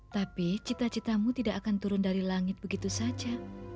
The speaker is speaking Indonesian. tapi cita citamu tidak akan turun dari langit begitu saja